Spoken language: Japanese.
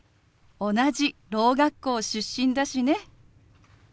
同じろう学校出身だしね。